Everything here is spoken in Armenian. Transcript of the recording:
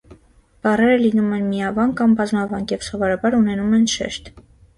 Բառերը լինում են միավանկ կամ բազմավանկ և սովորաբար ունենում են շեշտ։